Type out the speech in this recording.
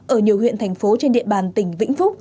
ở nhiều huyện thành phố trên địa bàn tỉnh vĩnh phúc